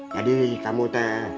jadi kamu teh